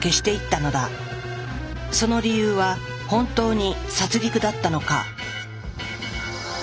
その理由は本当に殺戮だったのか？